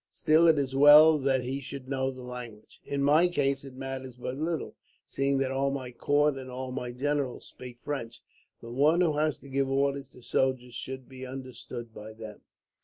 Still, it is well that he should know the language. In my case it matters but little, seeing that all my court and all my generals speak French. But one who has to give orders to soldiers should be understood by them.